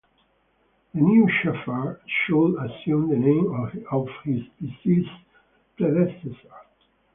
The new shepherd should assume the name of his deceased predecessor.